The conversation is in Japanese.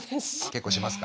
結構しますか？